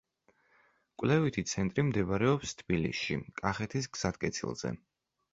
კვლევითი ცენტრი მდებარეობს თბილისში, კახეთის გზატკეცილზე.